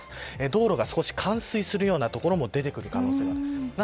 道路が少し冠水するような所も出てくる可能性があります。